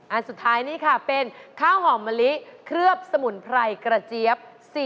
อันสุดท้ายนี่ค่ะเป็นข้าวหอมมะลิเคลือบสมุนไพรกระเจี๊ยบ